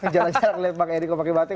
jangan jangan lihat bang eriko pakai batik